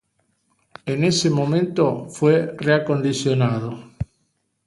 En ese momento fue reacondicionado.